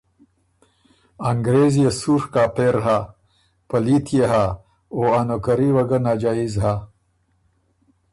”انګرېز يې سُوڒ کاپېر هۀ، پلیت يې هۀ او ا نوکري وه ګۀ ناجائز هۀ۔